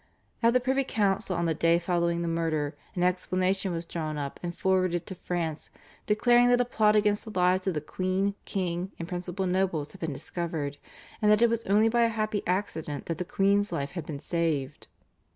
At the privy council on the day following the murder an explanation was drawn up and forwarded to France, declaring that a plot against the lives of the queen, king, and principal nobles had been discovered, and that it was only by a happy accident that the queen's life had been saved.